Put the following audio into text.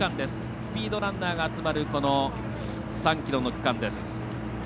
スピードランナーが集まるこの３ｋｍの区間です。